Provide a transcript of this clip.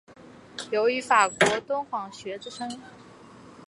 尤以法国敦煌学着称。